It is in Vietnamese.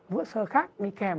vữa sơ khác bị kèm